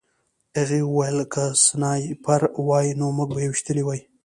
هغوی وویل که سنایپر وای نو موږ به یې ویشتلي وو